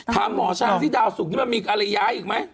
ถามหมอซาวที่ดาวสุกมันมีอะไรย้ายอีกไหม